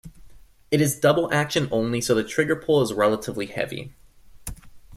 It is double action only so the trigger pull is relatively heavy.